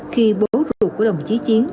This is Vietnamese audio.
khi bố ruột của đồng chí chiến